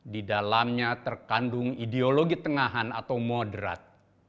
di dalamnya terkandung ideologi tengahan atau moderat